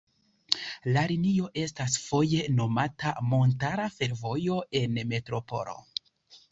La linio estas foje nomata Montara Fervojo en Metropolo.